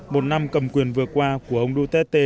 một năm cầm quyền vừa qua của ông duterte